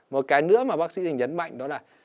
một cái nữa mà bác sĩ thì nhấn mạnh đó là